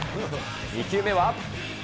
２球目は。